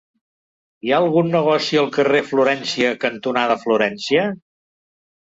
Hi ha algun negoci al carrer Florència cantonada Florència?